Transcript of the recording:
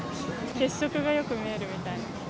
血色がよく見えるみたいな。